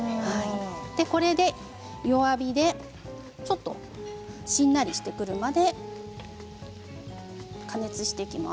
これで弱火でしんなりしてくるまで加熱していきます。